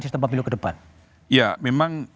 sistem pemilu ke depan ya memang